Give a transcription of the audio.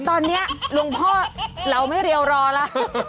ตอนนี้หลวงพ่อเราไม่เรียวรอแล้ว